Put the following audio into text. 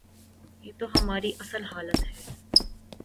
یہ تو ہماری اصل حالت ہے۔